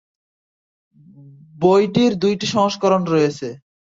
বইটির দুইটি সংস্করণ রয়েছে।